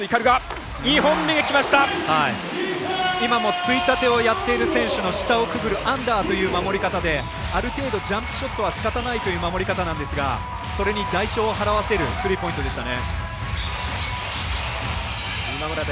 今もついたてをやっている選手の下をくぐるアンダーという守り方である程度ジャンプショットはしかたないという守り方なんですがそれに代償を払わせるスリーポイントでした。